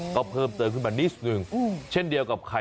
ก็เพิ่มเติมขึ้นมานิดนึงเช่นเดียวกับไข่